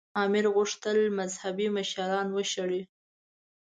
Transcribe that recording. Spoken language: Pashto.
امیر غوښتل مذهبي مشران وشړي.